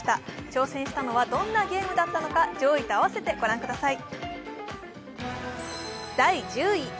挑戦したのはどんなゲームだったのか、上位と合わせて御覧ください。